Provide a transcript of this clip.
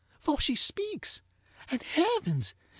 for she speaks, and, heavens!